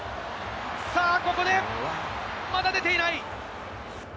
さあ、ここで、まだ出ていない。